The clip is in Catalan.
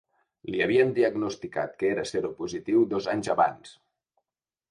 Li havien diagnosticat que era seropositiu dos anys abans.